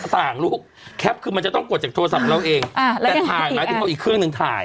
ต่างลูกคือมันจะต้องกดจากโทรศัพท์ของเราเองอ่าแล้วก็ยังไงแต่ถ่ายหลังจากอีกเครื่องนึงถ่าย